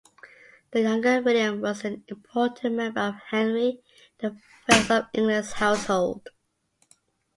The younger William was an important member of Henry the First of England's household.